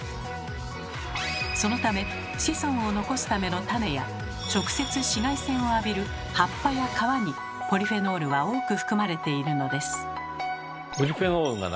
そのため子孫を残すための種や直接紫外線を浴びる葉っぱや皮にポリフェノールは多く含まれているのです。